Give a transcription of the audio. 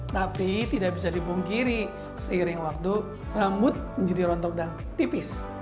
tapi tidak bisa dibungkiri seiring waktu rambut menjadi rontok dan tipis